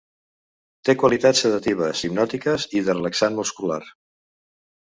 Té qualitats sedatives, hipnòtiques i de relaxant muscular.